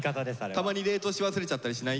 たまに冷凍し忘れちゃったりしない？